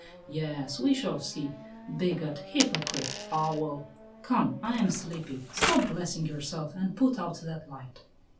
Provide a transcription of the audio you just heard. "Yes, we shall see! Bigot! Hypocrite! Owl! Come, I am sleepy; stop blessing yourself and put out that light."